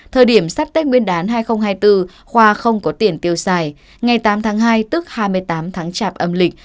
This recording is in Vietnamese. thời điểm sát tết nguyên đán hai nghìn hai mươi bốn khoa không có tiền tiêu xài ngày tám tháng hai tức hai mươi tám tháng chạp âm lịch